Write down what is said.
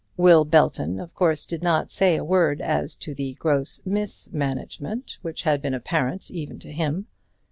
Will Belton of course did not say a word as to the gross mismanagement which had been apparent even to him.